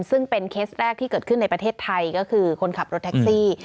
ซึ่งเป็นเคสแรกที่เกิดขึ้นในประเทศไทยก็คือคนขับรถแท็กซี่